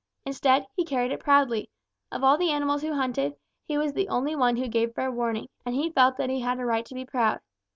Instead, he carried it proudly. Of all the animals who hunted, he was the only one who gave fair warning, and he felt that he had a right to be proud.